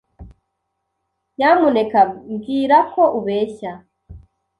Nyamuneka mbwira ko ubeshya.